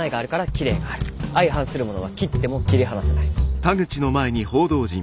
相反するものは切っても切り離せない。